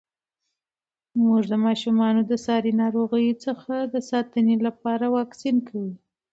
مور د ماشومانو د ساري ناروغیو څخه د ساتنې لپاره واکسین کوي.